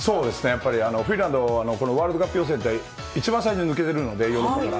やっぱりフィンランドは、このワールドカップ予選で一番最初に抜けてるので、ヨーロッパから。